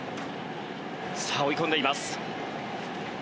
さあ追い込んでいます。